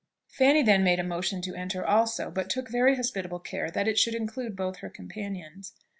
Fanny then made a motion to enter also, but took very hospitable care that it should include both her companions.